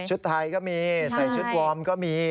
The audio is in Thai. ใส่ชุดไทยก็มีใส่ชุดกวอร์มก็มี